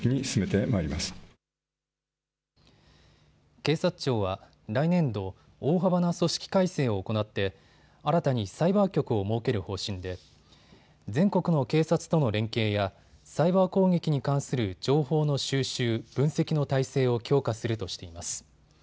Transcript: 警察庁は来年度、大幅な組織改正を行って新たにサイバー局を設ける方針で全国の警察との連携やサイバー攻撃に関する情報の収集・分析の体制を強化するとしています。